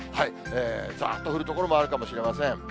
ざーっと降る所もあるかもしれません。